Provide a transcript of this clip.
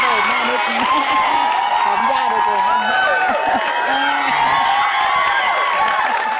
ผอมย่าโดยเจ้าครับ